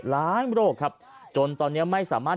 โรคครับจนตอนนี้ไม่สามารถ